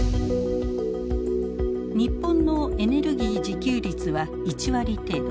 日本のエネルギー自給率は１割程度。